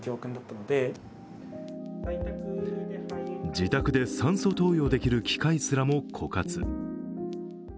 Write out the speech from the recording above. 自宅で酸素投与できる機械すらも枯渇。